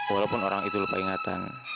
walaupun orang itu lupa ingatan